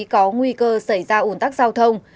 có nguy cơ xảy ra ủn tắc giao thông